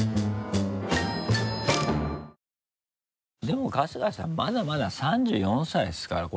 でも春日さんまだまだ３４歳ですから。